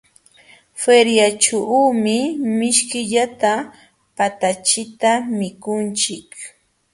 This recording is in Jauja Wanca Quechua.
Feriaćhuumi mishkillata patachita mikunchik.